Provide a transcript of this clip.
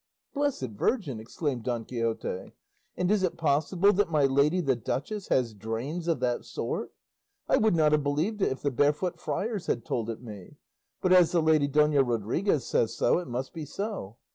"Blessed Virgin!" exclaimed Don Quixote; "and is it possible that my lady the duchess has drains of that sort? I would not have believed it if the barefoot friars had told it me; but as the lady Dona Rodriguez says so, it must be so.